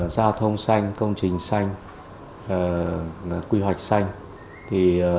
giao thông xanh công trình xanh quy hoạch xanh